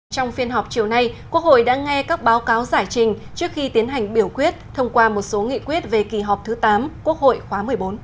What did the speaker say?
trong phiên họp chiều nay quốc hội đã nghe các báo cáo giải trình trước khi tiến hành biểu quyết thông qua một số nghị quyết về kỳ họp thứ tám quốc hội khóa một mươi bốn